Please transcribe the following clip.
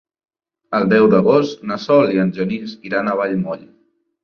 El deu d'agost na Sol i en Genís iran a Vallmoll.